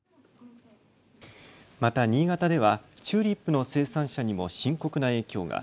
また新潟ではチューリップの生産者にも深刻な影響が。